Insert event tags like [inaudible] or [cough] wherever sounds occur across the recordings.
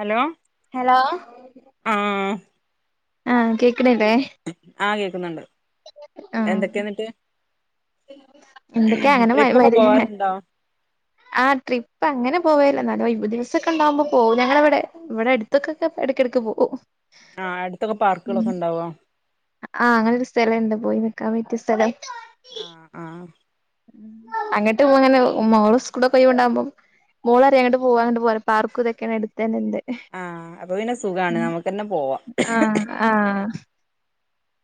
Hello hello ആഹ് ആഹ് കേ ആ കേ കോന്നുണ്ട് ആഹ് ഉ എന്തൊക്ക്യാ അങ്ങനെ ട്രിപ്പൊക്കെ [unintelligible] പോവാറുണ്ടോ ആ ട്രിപ്പ് അങ്ങനെ പോവേല്ല നല്ലു ഒയ്വ് ദിവസൊക്കെണ്ടാവുമ്പോ പോകും ഞങ്ങളെ ഇവ്ടെ ഇവെടെ എടുത്ത്ക്കൊക്കെ എടക്കെടക്ക് പോകും ആഹ് അടുത്തൊക്കെ പാർക്കുകളൊക്കെ ഉണ്ടാവോ ആ അങ്ങനെ ഒരു സ്ഥലംൾണ്ട് പോയി വ [unintelligible] സ്ഥലം ആഹ് ആ അങ്ങട്ട് ഇങ്ങനെ മോൾ സ്കൂളൊക്കൊയ്വിണ്ടാവ്മ്പോ മോളറിയ അങ്ങട്ട് പോവാ അങ്ങട്ട് പോവറി പാർക്കുതൊക്ക്യാണെ എട്ത്തെന്നെണ്ട് ആഹ് അപ്പൊ പിന്നെ സുഖാണ് നമുക്കെന്നെ പോവാം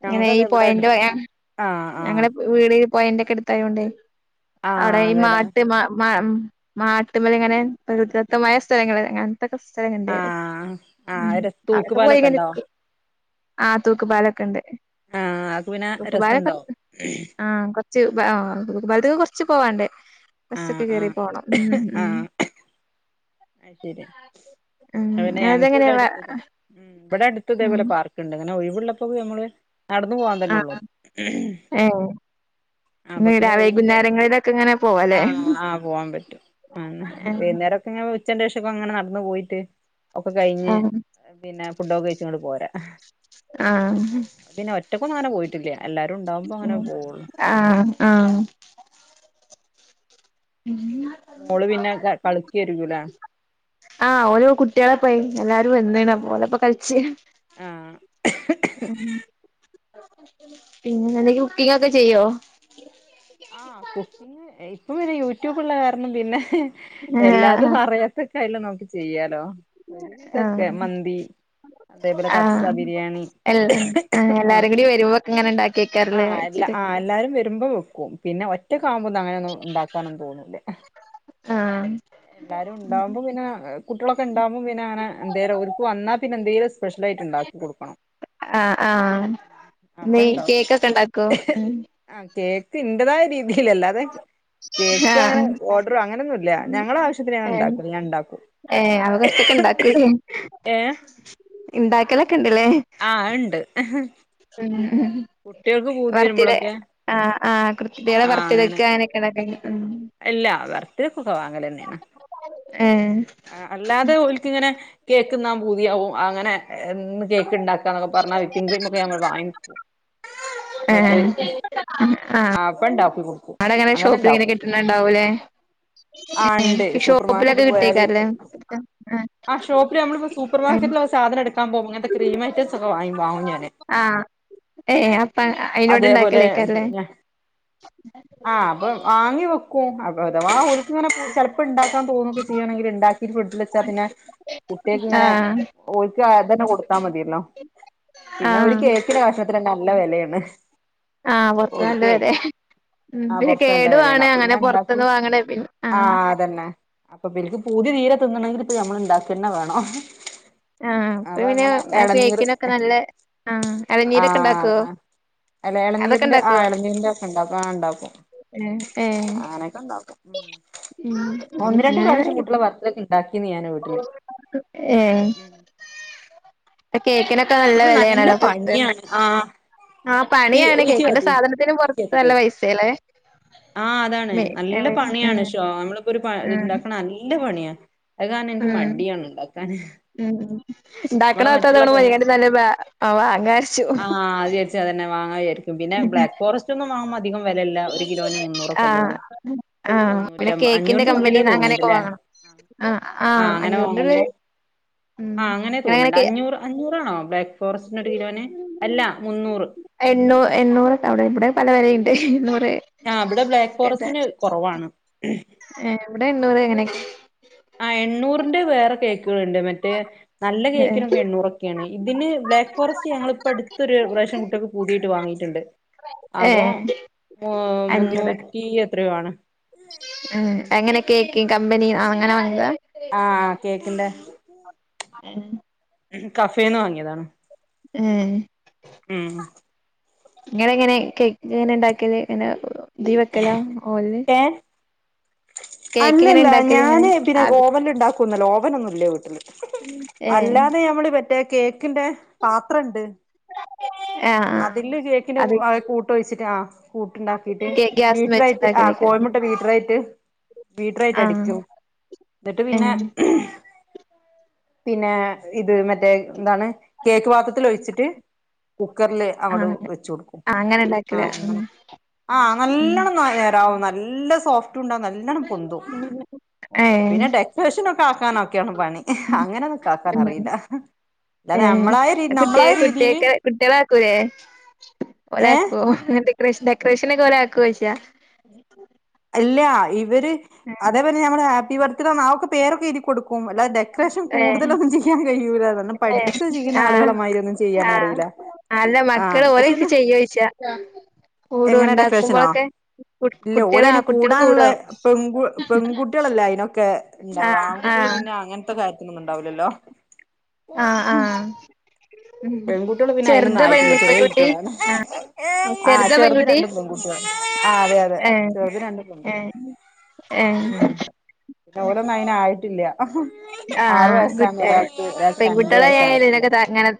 ഇങ്ങനീ ഞങ്ങക്കത് ഇവിടെ പൊയന്റെ അടുത്ത് [unintelligible] ആഹ് ആഹ് ഞങ്ങളെ വീട് പൊയന്റെക്കെട്ത്തായൊണ്ടേ അവ്ടെ ആഹ് ഈ അതെല്ലേ [unintelligible] മാട്ട്മ്മെലിങ്ങനെ പ്രകൃതിതത്തമായ സ്ഥലങ്ങള് ത്തെ സ്സലങ്ങൾ ഇണ്ട് ആഹ് ഉം ആഹ് രസ് അവ്ടെക്കെ പോയി തൂക്കുപാലൊക്കെ ഇങ്ങനെ ഉണ്ടോ ഇരിക്കും ആഹ് തൂക്ക് പാലൊക്കെണ്ട് ആഹ് അത് പിന്നെ തൂക്കുപാലൊക്കെ രസണ്ടോ ആഹ് കൊർച് ആഹ് പാൽത്ത്ക്ക്‌ കൊറച്ച് പോവാണ്ട് ആഹ് ബസ്സൊക്കെ കേറി ആഹ് പോണം ഉം ഉം ആഹ് ഇവിടെ ഉം അതെങ്ങനെ അടുത്ത് തെ ഉം പാർക്ക്‌ ഇണ്ട് ന്നെ ഒഴിവുള്ളപ്പോ നമ്മള് നടന്ന് പോവാൻ തന്നേ ആ ഒള്ളു. ഏ രാ [unintelligible] വൈകുന്നേരങ്ങളിലൊക്കെ ഇങ്ങനെ പോവല്ലേ ആഹ് ആഹ് പോവാൻ പറ്റും. ഹ്മ്മ് ആ വൈകുന്നേരം ഒക്കെ ഉച്ചന്റെഷം ഇങ്ങനെ നടന്നു പോയിട്ട് ഒക്കെ ആ കഴിഞ്ഞ്. പിന്നെ ഫുഡൊക്കെ കഴിച്ച് ഇങ്ങട് പോരാ ആഹ് റ്റങ്ങനെ പോയിട്ടില്ല. എല്ലാരും ഉണ്ടാവുമ്പോ അങ്ങനെ ഹ്മ്മ്, പോവുള്ളൂ ആഹ് ആഹ് മോള് പിന്നെ ക കളിക്ക് വരൂല. ആ ഓരോ കുട്ടികളെപ്പെ എല്ലാരും എന്തെയ്യണ് അപ്പം ഓലപ്പം കളിച്ച് ആഹ് [inaudible] പിന്നെ, കുക്കിംഗ് ഒക്കെ ചെയ്യോ ആഹ് കുക്കിംഗ്‌ ഇപ്പോ അങ്ങനെ യൂട്യൂബ്ള്ള കാരണം പിന്നെ ആ എല്ലാതും അറിയാത്തക്കെ അതില് നോ ചെയ്യാലോ ഒരു ആ വിധക്കെ മന്തി, അതേപോലെ ആ കാപ്സാ ബിരിയാണി, എൽ ആഹ്, എല്ലാരും കൂടി വരുമ്പോക്കെ ഇങ്ങനെ ഇണ്ടാക്കിയേക്കാറല്ലേ ആഹ് ഇച്ചിരി ആഹ് എല്ലാരും വരുമ്പോ വെക്കും. ഒറ്റക്ക് ആവുമ്പോ അങ്ങനെ ഒന്നും ഉണ്ടാകാനോന്നും തോന്നൂല്ല. ആഹ് എല്ലാരും ഇണ്ടാവുമ്പോ പിന്നെ ഏഹ് കുട്ടികളൊക്കെ ഇണ്ടോ പിന്നെന്തിനാണ് ഇവിടേക്ക് വന്നാ പിന്നെ എന്തേലും സ്പെഷ്യൽ ഐറ്റം ഇണ്ടാക്കി കൊടുക്കണം. ആഹ് ആഹ് അപ്പോ നീ ഇണ്ടാക്കും കേക്കൊക്കെ ഇണ്ടാക്കോ ഉം ആഹ് കേ പിന്ന് [unintelligible] ല്ലാതെ കേക്ക് അങ്ങനെ ആഹ് ഓർഡർ അങ്ങനൊന്നുല്ല. ഞങ്ങള ആവശ്യത്തിന് ഞാൻ ഏഹ് ഉണ്ടാക്കും. ഞാൻ ഇണ്ടാക്കും ഏഹ് അപ്പൊ കൊറച്ചൊക്കെ ഇണ്ടാക്കൂലേ ഏഹ് ഇണ്ടാക്കലൊക്കെ ആ അത് ഉണ്ട്. ഹ്മ്മ് ഹ്മ്മ്, കുട്ടികൾക്ക് പൂതി ബർത്ഡേയ് വരുമ്പോഴൊക്കെ ആഹ് ആഹ് കുട്ടിയേളെ ആഹ് അങ്ങനെ ബർത്തഡേക്ക് അങ്ങനെയൊക്കെ ഇണ്ടാക്കാൻ കയ്യും. ഇല്ല ബർത്തഡേക്കൊക്കെ വാങ്ങലന്നെയാണ്. ഏഹ് അല്ലാതെ ഒൽക്കിങ്ങനെ കേക്ക്ന്നാൻ പൂതിയാവും അങ്ങനെ ഇന്ന് കേക്ക് ഉണ്ടാക്കാ എന്ന് പറഞ്ഞാൽ വിപ്പിങ് ക്രീം ഒക്കെ ഞങ്ങൾ വാങ്ങിയെക്കും ഏഹ്, ആഹ് അപ്പം ഇണ്ടാക്കി കൊടുക്കും അടെങ്ങനെ അങ്ങനെ ഷോപ്പിൽിങ്ങനെ ഇണ്ടാക്കും കിട്ടണണ്ടാവൂലേ ആ ഇണ്ട് സൂപ്പർ ഷോപ്പിലൊക്കെ മാർക്കറ്റിൽ പോയാല് കിട്ടിയേക്കാ ആ ഷോപ്പി നമ്മളിപ്പോ സൂപ്പർ ആഹ് മാർക്കറ്റില് സാധനം എടുക്കാൻ അങ്ങനത്തെ ക്രീം ഐറ്റം ഒക്കെങ്ങ വാങ്ങ ഞ ആഹ് ഏഹ് അപ്പ അയിനോട് അതേപോലെ ഇണ്ടാക്കലേക്കാരല്ലേ പി ആ അപ്പ വാങ്ങി വെക്കും അഥവാക്ക്ങ്ങനെ ചിലപ്പോ ഉണ്ടാക്കാൻ തോന്നുന്നുക്കി ചെയ്യയാണെങ്കിൽ ഇണ്ട ഫ്രുഡിൽ വെച്ചാ പിന്നെ കുട്ടികക്ക് ഇങ്ങനെ ആഹ് ഒിക്ക കൊടുും എത്താ മതിയല്ലോ പിന്നെ ആഹ് ഒരു കേക്കിന്റെ കഷണത്തി നല്ല വിലയാണ് ആഹ പുൊറത്ത ആ നല്ലവെലപിന്നെ പൊറത്ത് നല്ല വെലയാണ് കേടുവാണ് അപ്പൊ അങ്ങനെ ഇങ്ങനെ ഇണ്ടാക്കി പൊറത്തന്ന് വാങ്ങണേ പിന്നെ ആ അപ്പൊ പിനിക്ക് പുതിയ തീരം തിന്നണമെങ്കിൽ ഇപ്പ നമ്മൾ ഉണ്ടാക്ക തന്നെ വേണോ ആഹ് അപ്പൊ പിന്നെ അങ്ങനെ ഇളനീർ കേക്കിനൊക്കെ നല്ല ആഹ് എളനീരൊക്കെ ആഹ ഇണ്ടാക്കോ അത അല്ല അതൊക്കെ ഇളനീരിന്റെ ആ് ഇണ്ടാക്കോ ഇളനീരിന്റെ അപങ്ങനെ ഇളനീർ ഒക്കെ ഇണ്ടാക്കും ആ ഉണ്ടാക്കും ഏഹ് ഏഹ് അങ്ങനെയൊക്കെ ഉണ്ടാക്കും ഉ ഉം ഒന്ന് രണ്ട് ഞാന് പ്രാവശ്യം കൂട്ടള ഭർത്തൊക്കെ ഞ വീട്ടില് ഏഹ് ഇപ്പ പിന്നെ കേക്കിനൊക്കെ പിന്നെ നല്ല വെലയാണല്ലോ പൊറത്ത് പണിയാണ് ആ ആഹ് പണിയാണ് കേക്കിന്റെ സാധനത്തിനും പൊറത്ത് നല്ല പൈസേല്ലേ ആ അതാണ് മേ നല്ല ഏഹ് പണിയാണ് ഏഹ് ോ നമ്മളിപ്പോ ഒരു ആഹ് ഇണ്ടാക്ക നല്ല പണിയാണ് ഉ അത് കാര എനിക്ക് ഉം മടിയണണ്ട് ഉം നമ്മള ഇണ്ടാക്കണോർത്താ മറ്റുള്ള ഇതവണ പണിക മുരിങ്ങന്റെ നല്ല വാ വാങ്ങാരിച്ചു ആ അത്ചരിച്ച അത്ന്നെ വാങ്ങരിക്കും പിന്നെ ബ്ലാക്ക് ഫോറസ്റ്റ് ഒന്നും വാങ്ങാ ആ ആ പിന്നെ മുന്നൂറ്റമ്പ കേക്കിന്റെ അഞ്ഞൂറിന്റെ കമ്പനി അങ്ങനെയൊക്കെ വാങ്ങണം ആ ആഹ അങ്ങനെ വാങ്ങുമ്പോ ഉം ആഹ് അങ്ങനെ തോന്നണ്ട് അങ്ങനെയൊക്കെ അഞ്ഞൂറ് അഞ്ഞൂ പുണ വ എണ്ണൂ എണ്ണൂറൊക്കെ അവിടെ ഇവിടെ പലര ആ് ഇവിടെ ബ്ലാക്ക് ഫോറസ്റ്റിന് കൊറവാണ് എവിടെ ഇണ്ൂർ എങ്ങനെയക്കെ പുണ്ട് മറ്റേ നല്ല കേക്കിനൊക്കെ എണ്ണൂറൊക്കെയാണ് ഇതിന് ബ്ലാക്ക് ഫോറസ്റ്റ് ഞങ്ങിപ്പോ അടുത്തൊരു നല്ല കേക്കിന് റേഷൻ കുട്ടികൾക്ക് പൂതിയായിട്ട് വാങ്ങിയിട്ടുണ്ട് അപ്പം ഏഹ് മുന്നൂറ്റി എത്ര രൂപ ആണ് ഉം എങ്ങനെ കേക്ക കമ്പനി അങ്ങനെ വത് ആഹ കേക്കിണ്ട ഉം ഏ കഫേന്ന് വാങ്ങിയതാണ് ഉം ഉം നിങ്ങ എങ്ങനെ എങ്ങനെ ഉണ്ടാക്കിയല് ഇങ്ങനെ ദീപക്കല ഹോല് ഏഹ് കേക്ക് അല്ലല്ല ഞാന് പിന്നെ ആവി ഓവന്ല് ഏഹ് മറ്റേ കേക്കിന്റെ പാത്രണ്ട് ആഹ് ആഹ് അതില് കേക്കിന്റെ അത് കൂട്ട് ഒഴിച്ചിട്ട് ആ കൂട്ടുണ്ടാക്കിട്ട് ഗ്യാസ്മ്മെ ബീറ്ററായിട്ട് ആ വെച്ചുണ്ടാക്കലേക്കാരം കോയിമുട്ട ബീറ്ററായിട്ട് ബീറ്ററായിട്ട് ആഹ് അടിക്കും ന്നിട്ട് പിന്നെ ഏഹ് പിന്നെ ഇത് മറ്റേ എന്താണ് കേക്ക് പാത്രത്ത്ല് ഒഴിച്ച്ട്ട് കുക്കറിൽ അങ്ങട്ട് ആഹ് വെച്ചോട്ക്കും അങ്ങനെ ആ ഉണ്ടാക്കല് ഉം അങ്ങനെ ആ ഉം നല്ലോണം നേരാവും ന നല്ല സോഫ് റ്റുണ്ടാവും നല്ലോണ്ണം പൊന്തും ഏഹ് പിന്നെ ഡെക്കറേഷനൊക്കെ ആക്കാനോക്കെയാണ് പണി അങ്ങനെയൊന്നും ആക്കാൻ അറിയില്ല അല്ലാതെ ഏ നമ്മളായ രീ കുട്ട്യേ നമ്മളായ രീതിയില് കുട്ടിയെക്ക് കുട്ട്യാളാക്കൂലേ ഏഹ് ഒലാക്കോ ഡെക്ക ഡെക്കറേഷനോക്കെ ഓലാക്കോയ്ച്ച ഇല്ല ഇ ഇവര് അതേപലെ നമ്മള ഹേ പ്പിബർത്തഡേന്ന് അതൊക്കെ പേരൊക്കെ എഴ്തി കൊട് ക്കും അല്ലാതെ ഡെക്കറേഷൻ കൂടുതലൊന്നും ചെയ്യാൻ കഴി ഏ ആ ഒന്നും ചെയ്യാൻ ആ അറിയില്ല അല്ല ആഹ് മക്കള് പക്ഷെ ഓരത് ചെയ്യോയ്ച്ച കൂടോ എങ്ങനെ ഇണ്ടാക്കുമ്പളോക്കെ കു കുട്ട്യാള് ആ കുട്ടികള് കൂടാള്ള കൂടോ പെൺകു പെൺകുട്ട്യാളല്ലേ അയിനൊക്കെ ഇണ്ടാവ ആഹ് ആൺകുട്ട്യാള് ആഹ് പിന്നെ അങ്ങനത്തെ കാര്യത്തിനൊന്നു ഇണ്ടാ ലല്ലോ ആ ആ പെൺകുട്ട്യാള് പിന്നെ അയിനൊന്നും ആയിട്ടില്ല ചെറിയ പെൺകുട്ടി കുട്ട്യാളാണ് ആഹ് ആ ചെറുതാ ചെറ്ത് പെൺകുട്ടി രണ്ടും പെൺകുട്ട്യാള് ആ അതെ അതെ ഏഹ് ചെറുത് രണ്ട് പെൺകുട്ടി ഏഹ് ഏഹ് ഉം പിന്നെ ഓലൊന്നും അയിനായിട്ടില്ല ആറ് ആഹ് വയസ്സാണ് കുട്ടി ഒരാക്ക് ഒരാക്ക് രണ്ട് പെൺകുട്ടികളായാല് വയസ്സായിട്ട്ള്ളേ ഇതിനൊക്കെ അങ്ങനെ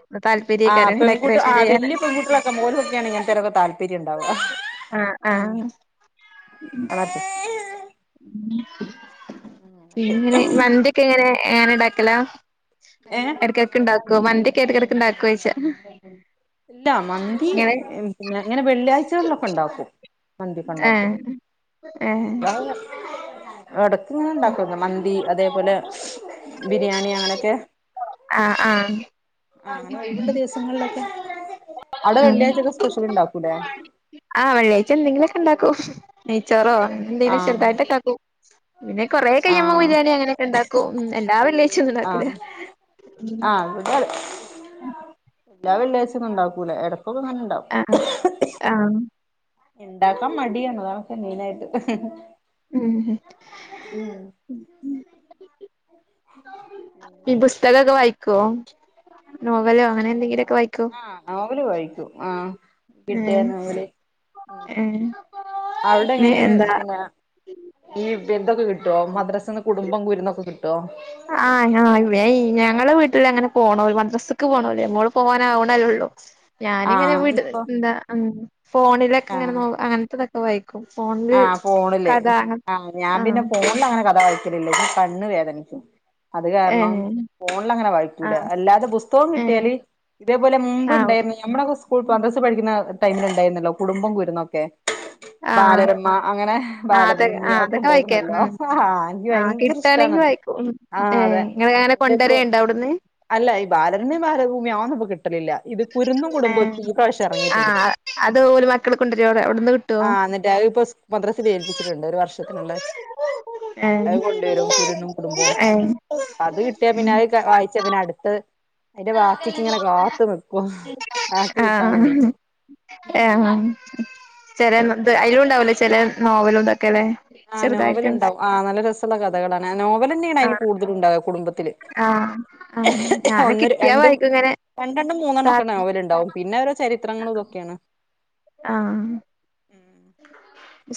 ആ താല്പര്യേക്കാരം പെൺകുട്ട് ഡെക്കറേഷൻ ആ ചെയ്യാന് വല്ല്യയ പെൺകുട്ടിളൊക്കെ ഓല്ക്കൊക്കെണ് ഇങ്ങനത്തെനൊക്കെ താല്പര്യം ഇണ്ടാവ ആഹ് ഉം ആഹ് ഉ പിന്നെങ്ങനെ മന്തിയൊക്കെങ്ങനെ എങ്ങനേണ്ടക്കലാ ഏഹ് എടക്കൊക്കെ ഇണ്ടാ ക്കോ മന്തിയൊക്കെ എടക്കെടക്ക്ണ്ടാക്കോയ്ച്ച ഇല്ല മന്തി പിന്നെ ഇങ്ങനെ വെള്ളിയാഴ്ചകളിലൊക്കെ ഇണ്ടാക്കും ഏ ഏ എടക്ക്ങ്ങനെ ഇണ്ടാക്കൊല്ലോ മന്തി അതേപോലെ ബിരിയാണി അങ്ങനെയൊക്കെ ആഹ് ആഹ് ആ അങ്ങനെ ഒഴിവ്ള്ള ദിവസങ്ങളിലൊ [inaudible] ഉണ്ടാക്കൂലേ ആ വെള്ളിയാഴ്ച എന്തെങ്കിലൊക്കെണ്ടാ ക്കും നേയ്ച്ച് ട്ടറോ അങ്ങനെന്തേനും ആഹ് ചെറുതായിട്ടക്കാക്കും പിന്നെ കൊറെേ കഴിയുമ്പ ആഹ് ബിരിയാണി അങ്ങനെയൊക്കെ ഇണ്ടാക്കും ഉ എല്ലാ വെള്ളിയാഴ്ച്ച ഒന്നും ഇണ്ടാക്കൂല ആഹ് ല്ലാ വെള്ളാഴ്ച്ച ഒന്നും ഒണ്ടാക്കൂല എട ആ ആ ഇണ്ടാക്കാൻ മടിയാണ് അതാണ്പ്പം മെയിനായിട്ട് ഉം ഉം ഈ ബുസ്തകൊക്ക വായി കോം നോ ആ നോവല് വായിക്കും ആ കിട്ടിയാ ഏഹ് നോവല് ഏഹ് അവിടെ എങ്ങനെയാണ് എന്താ പിന്നെ ഈ ദ്ദൊക്കെ കിട്ട്വോ മദ്രാസ്ന്ന് കുടുംബം കുരുന്നൊക്കെ കിട്ട്വോ ട്ടോ ആ ഞ വേ ഞങ്ങള വീട്ടില് അങ്ങനെ പോണോ മദ്രാസക്ക് പോണോല് മോള് പോവാനാവണല്ലേ ഒള്ളൂ ഞാനിങ്ങനെ ആഹ് വിട് ഇപ്പൊ ന്താ ഫോണിലൊക്കെ ഇങ്ങനെ നോ അങ്ങനത്തത ക്കെ വായി ആ ഫോണില് ആ ആഹ് ഞാപിന്നെ ഫോണില് അങ്ങനെ കഥ ക്കലില്ല കണ്ണ് വേദനിക്കും അത് കാരണം ഏഹ് ഫോണില് അങ്ങനെ വായിക്കൂല ആഹ് അല്ലാതെ ബുസ്തകം ഏഹ് കിട്ടിയാല് ഇതേപോലെ മുമ്പ് ആഹ് ഇണ്ടേരുന്നു ഞമ്മടൊക്കെ സ്കൂൾ മദ്രസ്സ പഠിക്കുന്ന ടൈമില് ഇണ്ടായിരുന്നല്ലോ കുടുംബം കുരുന്നൊക്കെ ആ മ അങ്ങനെ ബാലഭൂമിയൊക്കെ വായിക്കാ ഇണ്ടായിരുന്നല്ലോ ഉം എനിക്ക് ആഹ് ഭയങ്കര കിട്ടാണെങ്കി ഇഷ്ടണത് വായിക്കും ഉം ആഹ് ഏഹ് ഇങ്ങളങ്ങനെ അതെന്റെ ഇപ്പോ കൊണ്ടരേണ്ടോ അവിടുന്ന് അല്ല ഈ ബാലരണ്യ ബാലഭൂമി [unintelligible] ആ ഇറങ്ങിയിട്ടുണ്ട് ഇപ്പൊ ആ അത്പോലും മക്കൾ കൊണ്ടുവരുടെ എടുന്ന് കിട്ടുവോ മദ്രസേല് ഏൽപ്പിച്ചിട്ടുണ്ട് ഒരു വർഷത്തിനുള്ള അത് ഏഹ് കൊണ്ടുവരും കുരുന്നും കുടുംബവും ഏഹ് അത് കിട്ടിയാ പിന്നെ അത് വായിച്ച പിന്നെ അടുത്ത് അതിന്റെ ബാക്കിക്ക് ഇങ്ങനെ കാത്തു നിക്കും ബാക്കി കിട്ടാൻ ആഹ് വേണ്ടീട്ട് ആഹ് ചെല അതിലുണ്ടാവുല്ലേ ചെല നോവലുംക്കെ ആഹ് നോവല്ണ്ടാവും ആ നല്ല രസള്ള കഥകളാണ് നോവല് തന്നെയാണ് അതിൽ ആഹ് കൂടുതല ഉണ്ടാവുക കുടുംബത്തില് ആഹ് ആഹ് ഞാന് ഒന്ന് കിട്ടിയാ രണ്ടും വായിക്കും ഇങ്ങനെ രണ്ടെണ്ണം മൂന്നെണ്ണം ഒക്കെ താത്തി നോവൽ ഉണ്ടാവും പിന്നെ ഓരോ ചരിത്രങ്ങളും ഇതൊക്കെയാണ് ആഹ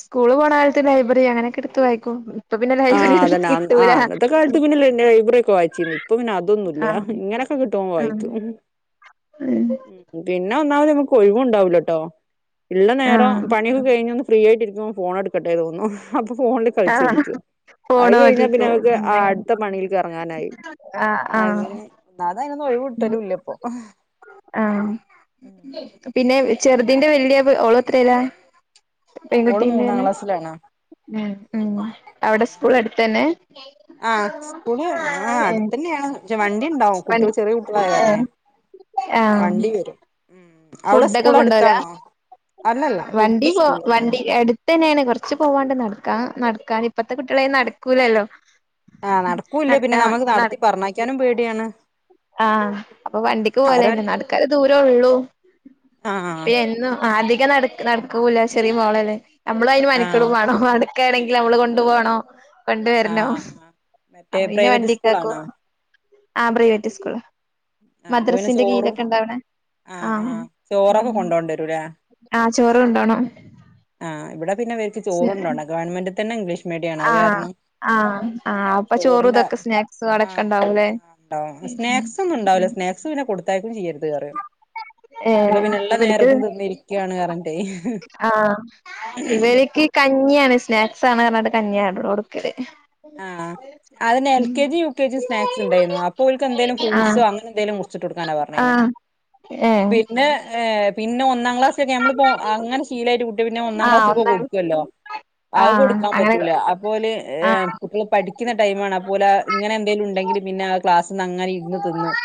സ്കൂള് പോണ കാലത്ത് ലൈബ്രറി അങ്ങനെയൊക്കെ എടുത്ത് വായിക്കും ഇപ്പൊ പിന്നെ ആഹ് ലൈബ്രറി അതന്നെ ആ കിട്ടൂല അന്നത്തെ ആഹ് കാലത്ത് പിന്ന ലൈബ്രറി ഒക്കെ വായിച്ചിന്ന് ഇപ്പൊ പിന്നെ അതൊന്നുംല്ല്യ ആഹ് ഇങ്ങനെയൊക്കെ കിട്ടുമ്പൊ വായിച്ചും പിന്നെ പിന്നെ ഒന്നാമത്‌ നമുക്ക് ഒഴിവും ഉണ്ടാവൂല ട്ടോ ഇള്ള ഉം നേരം ആഹ് പണിയൊക്കെ കഴിഞ്ഞ ഒന്ന് ഫ്രീ ആയിട്ടിരിക്കും [unintelligible] ഫോൺ എടുക്കട്ടേ തോന്നു [unintelligible] ഫോണ്ടി കളിച്ച് ആഹ് ഇരിക്കും അഅ് ഫോണ് കഴിഞ്ഞാ പിന്നെ നോക്കിക്കും അവക്ക് അങ്ങനെ അടുത്ത പണിൽക് ഇറങ്ങാനായി ആഹ് ആഹ് അങ്ങനെ ന്നാത അതിനൊന്നുംഒഴി വിട്ടലുംല്ലപ്പൊ ആഹ് [unintelligible] ചെറുതിന്റെ [unintelligible] ഓള് എത്രേലാ ഓള് മൂന്നാം പെൺകുട്ടീന്റെന്നെ ക്ലാസ്സിലാണ് [unintelligible] അവിടെ സ്കൂൾ അടുത്തന്നെ ഏ ആഹ് സ്കൂള് ആ ഏഹ് അടുത്ത ന്നെയാണ് വണ്ടി ഉണ്ടാവും വൺ കുട്ടികള് ചെറിയ കുട്ടികളായ കാരണെ ഏഹ് വണ്ടി വരും ഉം അവിടെ ഫുഡ് ഒക്കെ സ്കൂൾ കൊണ്ടോവലാ അടുത്താണോ ആ അല്ലല്ല വണ്ടി ഫുഡ് പോ സ്കൂൾ തന്നെയാണ് വണ്ടിടു അട്ത്തെന്നെയാണ് കൊറച്ച് പോവാണ്ട് നടക്കാ നടക്കാൻ ഇപ്പത്തെ കുട്ടികളെയ്ന് നടക്കൂലല്ലോ ആ നടക്കൂല്ല പിന്നെ നടക്കാൻ നമുക്ക് നട നടത്തി പറഞ്ഞയക്കാനും പേടിയാണ് ആഹ അപ്പൊ വണ്ടിക്ക് അവര പോലെന്നെ നടക്കാ ദൂര ത്ര ഉള്ളൂ ആ പി എന്നും ആദി [unintelligible] നടക്ക് നടക്കൂലാ ചെറിയ മോളല്ലെ നമ്മള അയിന് ആ മെനക്കെടുണോ മടുക്കാണെങ്കിൽ നമ്മള് കൊണ്ടു ആ പോോണോ കൊണ്ടുവരണോ ആഹ് ആഹ് അ മറ്റേ അെ പ്രൈവറ്റ് വണ്ടിാക്കും സ്കൂളാണോ ആഹ പ്രൈവേറ്റ് സ്കൂൾ ആഹ് മദ്രസിന്റെ കീഴൊക്കെ ഇണ്ടാവണ ആഹ ചോറൊക്കെ കൊണ്ടോണ്ട രൂലേ ആഹ് ചോറ് കൊണ്ടോണം ആ ഇവിടെ പിന്നെ ഇവർക്ക് ചോറ്ണ്ടോണ്ട ഗവൺമെന്റ് ത്തന്നെ ഇംഗ്ലീഷ് മീഡിയാണ് അത് ആഹ കാരണം ആഹ ആ അപ്പൊ ചോറും ചോറിന്റെ ഇതൊക്കെ സ്നാക്സ് അടക്കണ്ടാവുലേ ക്കെ ഉണ്ടാവൂലെ സ്നാക്സ് പിന്നെ കൊടുത്തയക്കും ചെയ്യരുത് അറിം ഏ ഇവർക്ക് പറഞ്ഞിട്ടേ ആഹ ഇവര്ക്ക് കഞ്ഞിയാണ് സ്നാക് സാണ് അർഞ്ഞാണ്ട് കഞ്ഞിയാ ബെടെ കൊടുക്കല് ആഹ് അതെന്നെ L K G U K G snacks ഉണ്ടായിരുന്നു. അപ്പൊ ഓൽക്കെന്തേലും ആഹ് ഫ്രൂട്സോ അങ്ങനെ എന്തേലും മുറിച്ചിട്ട് കൊടുക്കാനാ പറഞ്ഞിര്ന്നേ ആഹ് ഏഹ് പിന്നെ ഏ ഇന്നും ഒന്നാം ക്ലാസ് നമ്മിപ്പോ അങ്ങനെ ശീലമായിട്ട് കുട്ടി പിന്നെ ഒന്നാം ആഹ് ക്ലാസ്സിൽ പോ ഒന്നാണ് കൊടുക്കുവല്ലോ അത് ആഹ് കൊടുക്കാൻ അങ്ങനെ പറ്റൂല അപ്പോല് ആഹ് പഠിക്കുന്ന ടൈ ആമാണ് അപ്പോലെ ഇങ്ങനെ എന്തങ്കലും ഉണ്ടെങ്കിൽ പിന്നെ ക്ലാസ് നിന്ന് അങ്ങനെ ഇരുന്ന് തിന്നും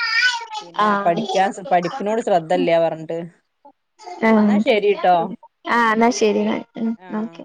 പിന്നെ ആ പഠിക്കാൻ പഠിപ്പിനോട് ശ്രദ്ധല്ല പറഞ്ഞിട്ട് ആ എന്നാ ശരിട്ടോ ആ എന്നാ ശരി എന്നാൽ ആഹ് നോക്കെ